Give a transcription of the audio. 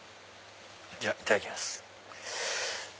じゃいただきます。